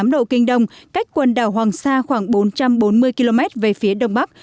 một trăm một mươi bốn tám độ kinh đông cách quần đảo hoàng sa khoảng bốn trăm bốn mươi km về phía đông bắc